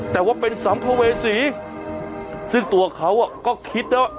แต่ว่าเป็นสัมภเวษีซึ่งตัวเขาก็คิดนะ